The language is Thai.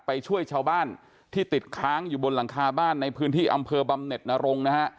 ไปช่วยชาวบ้านที่ติดค้างอยู่บนหลังคาบ้านในพื้นที่อำเภอบำเน็ตนรงนะฮะ